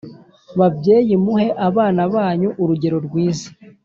Babyeyi muhe abana banyu urugero rwiza